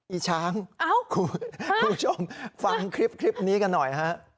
อีช้างคุณผู้ชมฟังคลิปนี้กันหน่อยฮะ